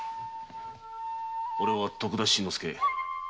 おれは徳田新之助。